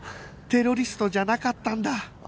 テロリストじゃなかったんだ